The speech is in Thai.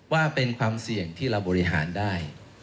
ว่าเป็นความเสี่ยงที่เราบริหารได้